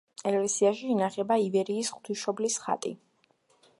ეკლესიაში ინახება ივერიის ღვთისმშობლის ხატი.